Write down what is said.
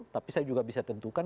tapi saya juga bisa tentukan